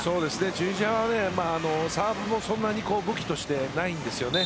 チュニジアはサーブもそんなに武器としてないんですよね。